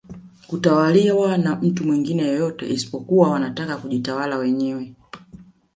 Kutawaliwa na mtu mwingine yoyote isipokuwa wanataka kujitawala wenyewe